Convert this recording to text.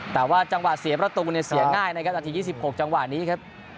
แต่ว่าจังหวะเสียประตูเนี่ยเสียง่ายนะครับนาที๒๖จังหวะนี้ครับ